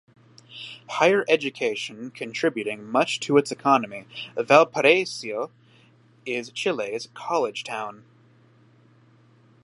Higher education contributing much to its economy, Valparaiso is Chile's "college town".